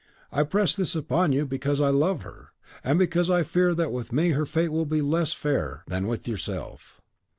I press this upon you, because I love her, and because I fear that with me her fate will be less fair than with yourself.